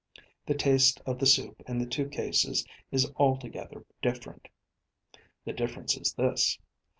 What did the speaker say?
The taste of the soup in the two cases is altogether different. The difference is this.